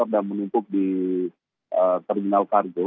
dan menutup di terminal karjo